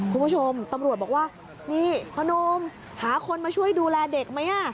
คุณผู้ชมตำรวจบอกว่านี่พนมหาคนมาช่วยดูแลเด็กไหม